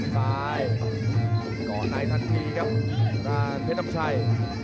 ซ้ายก่อนในทันทีครับเพศน้ำชัย